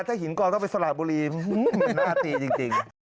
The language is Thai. ถ้าหินกองต้องไปสระบุรีมันน่าตีจริง